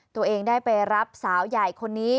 ตัวเองได้ไปรับสาวใหญ่คนนี้